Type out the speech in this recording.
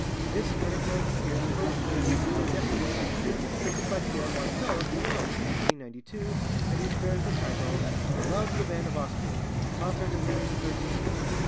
This anecdote appears first in a duodecimo volume printed by Pierre Marteau at Cologne in 1692, and which bears the title, 'The Loves of Anne of Austria, Consort of Louis XIII, with M.